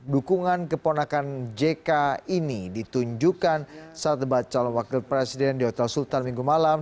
dukungan keponakan jk ini ditunjukkan saat debat calon wakil presiden di hotel sultan minggu malam